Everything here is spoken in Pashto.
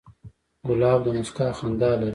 ګلاب د موسکا خندا لري.